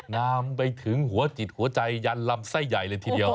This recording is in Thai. งามไปถึงหัวจิตหัวใจยันลำไส้ใหญ่เลยทีเดียว